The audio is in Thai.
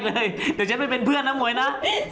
เดี๋ยวฉันไปเป็นเพื่อนนะมวยนะ